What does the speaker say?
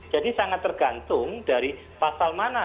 jadi sangat tergantung dari pasal mana